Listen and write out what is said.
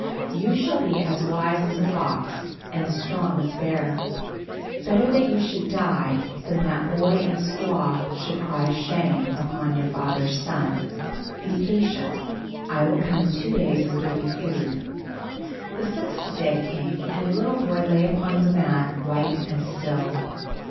You shall be as wise as a fox and as strong as a bear. "Better that you should die than that boy and squaw should cry 'Shame' upon your father's son. "Be patient, I will come in two days and bring you food." The sixth day came and the little boy lay upon the mat white and still.